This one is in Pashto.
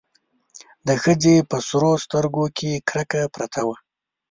د ښځې په سرو سترګو کې کرکه پرته وه.